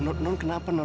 ya udah non kenapa non